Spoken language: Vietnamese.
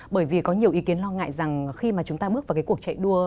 bởi vì có nhiều ý kiến lo ngại rằng khi mà chúng ta bước vào cái cuộc chạy đua